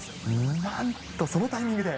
なんと、そのタイミングで？